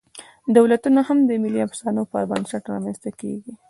دولتونه هم د ملي افسانو پر بنسټ رامنځ ته کېږي.